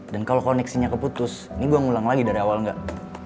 dan kalau koneksinya keputus ini gua ngulang lagi dari awal gak